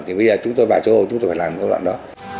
thì bây giờ chúng tôi vào châu âu chúng tôi phải làm ở đoạn đó